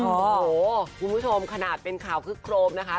โอ้โหคุณผู้ชมขนาดเป็นข่าวคึกโครมนะคะ